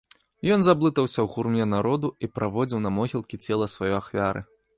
Ён заблытаўся ў гурме народу і праводзіў на могілкі цела сваёй ахвяры.